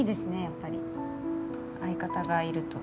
やっぱり相方がいると。